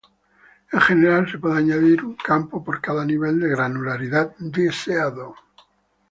En general se puede añadir un campo por cada nivel de granularidad deseado.